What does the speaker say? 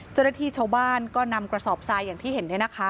เจ้าหน้าที่ชาวบ้านก็นำกระสอบทรายอย่างที่เห็น